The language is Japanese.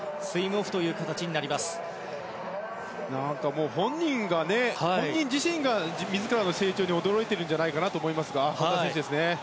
ポポビッチ本人自身が自らの成長に驚いているんじゃないかなと思いますね。